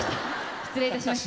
失礼いたしました。